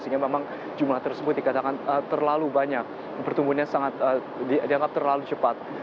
sehingga memang jumlah tersebut dikatakan terlalu banyak pertumbuhannya sangat dianggap terlalu cepat